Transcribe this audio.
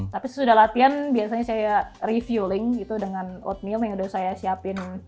tapi sesudah latihan biasanya saya refueling gitu dengan oatmeal yang udah saya siapin